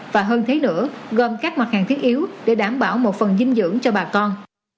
và hơn thế nữa gồm các mặt hàng thiết yếu để đảm bảo một phần dinh dưỡng cho bà con